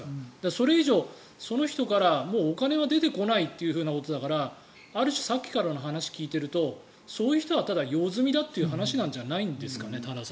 それ以上、その人からもうお金は出てこないということだからある種、さっきからの話を聞いているとそういう人は用済みだという話なんじゃないですかね。